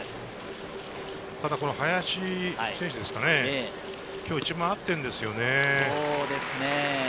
ただ林選手ですか、今日１番打っているんですよね。